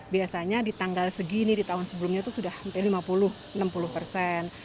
biasanya di tanggal segini di tahun sebelumnya itu sudah hampir lima puluh enam puluh persen